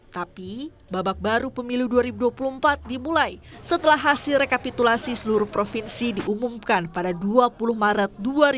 tapi babak baru pemilu dua ribu dua puluh empat dimulai setelah hasil rekapitulasi seluruh provinsi diumumkan pada dua puluh maret dua ribu dua puluh